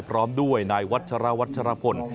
พร้อมด้วยนายวัชรวัชรพล